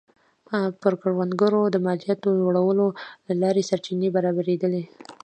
پر کروندګرو د مالیاتو لوړولو له لارې سرچینې برابرېدلې